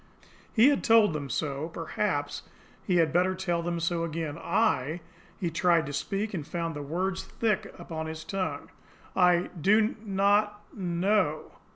He had told them so perhaps he had better tell them so again. "I " He tried to speak, and found the words thick upon his tongue. "I do not know."